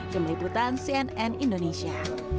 kemeliputan cnn indonesia